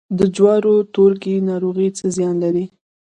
د جوارو تورکي ناروغي څه زیان لري؟